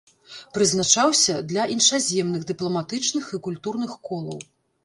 Прызначаўся для іншаземных дыпламатычных і культурных колаў.